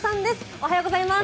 おはようございます。